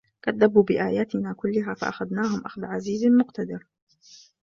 كَذَّبوا بِآياتِنا كُلِّها فَأَخَذناهُم أَخذَ عَزيزٍ مُقتَدِرٍ